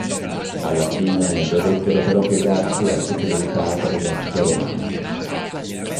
Alla fine dovettero però piegarsi alla superiorità dell'esercito romano.